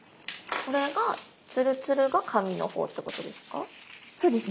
これがツルツルが紙のほうってことですか？